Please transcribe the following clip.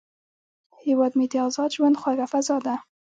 هیواد مې د ازاد ژوند خوږه فضا ده